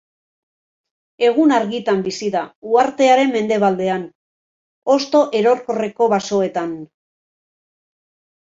Egun-argitan bizi da, uhartearen mendebaldean, hosto erorkorreko basoetan.